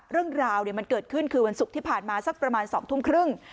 เรื่องราวมันเกิดขึ้นคือวันศุกร์ที่ผ่านมาสักประมาณ๒ทุ่มครึ่ง